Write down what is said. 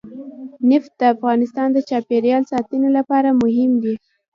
نفت د افغانستان د چاپیریال ساتنې لپاره مهم دي.